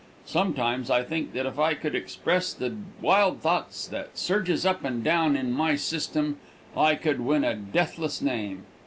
Sometimes I think that if I could express the wild thoughts that surges up and down in my system, I could win a deathless name.